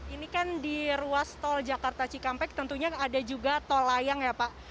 ini kan di ruas tol jakarta cikampek tentunya ada juga tol layang ya pak